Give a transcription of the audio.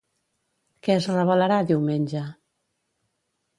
Què es revelarà, diumenge?